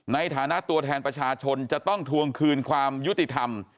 ในฐานะตัวแทนประชาชนจะต้องทวงคืนความยุติธรรม